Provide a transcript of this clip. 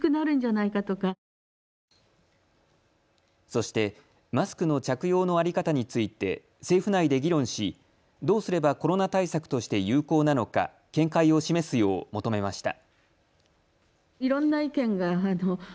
そしてマスクの着用の在り方について政府内で議論しどうすればコロナ対策として有効なのか見解を示すよう求めました。